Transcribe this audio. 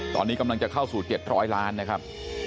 ตอนนี้กำลังจะเข้าสู่เจ็บร้อยล้านนะครับ